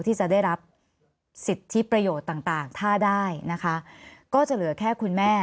ที่จะได้รับสิทธิประโยชน์ต่างถ้าได้นะคะก็จะเหลือแค่คุณแม่